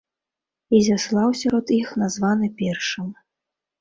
Ізяслаў сярод іх названы першым.